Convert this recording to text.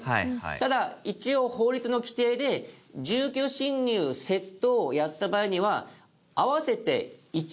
ただ一応法律の規定で住居侵入窃盗をやった場合には合わせて一罪。